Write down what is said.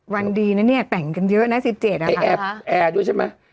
๑๗วันดีนะเนี่ยแต่งกันเยอะนะ๑๗อะค่ะแอแอดด้วยใช่มั้ย